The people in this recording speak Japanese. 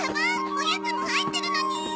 おやつも入ってるのに！